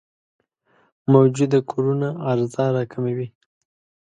موجوده کورونو عرضه راکموي.